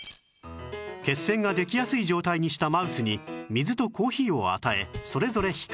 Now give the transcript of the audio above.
血栓ができやすい状態にしたマウスに水とコーヒーを与えそれぞれ比較